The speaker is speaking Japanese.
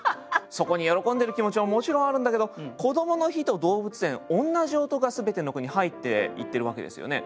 そこに喜んでいる気持ちももちろんあるんだけど「こどもの日」と「動物園」同じ音が全ての句に入っていってるわけですよね。